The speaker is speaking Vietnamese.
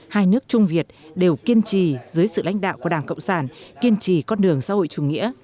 hai nước trung việt đều kiên trì dưới sự lãnh đạo của đảng cộng sản kiên trì con đường xã hội chủ nghĩa